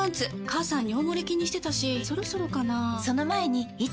母さん尿モレ気にしてたしそろそろかな菊池）